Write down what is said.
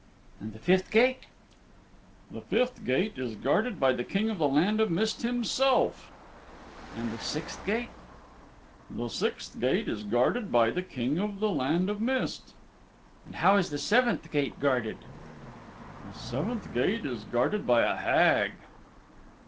"And the fifth gate?" "The fifth gate is guarded by the King of the Land of Mist himself." "And the sixth gate?" "The sixth gate is guarded by the King of the Land of Mist." "And how is the seventh gate guarded?" "The seventh gate is guarded by a Hag."